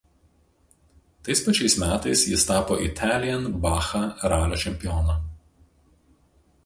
Tais pačiais metais jis tapo Italian Baja ralio čempionu.